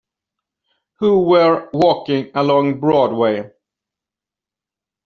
Who were walking along Broadway.